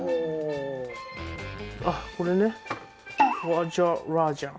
あっこれね。